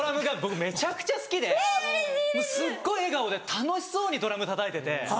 すっごい笑顔で楽しそうにドラムたたいてて。